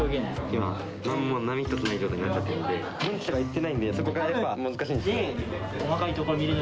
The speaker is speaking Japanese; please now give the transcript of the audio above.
今は波一つない状態になってるので、現地に行ってないんで、そこがやっぱ難しいです。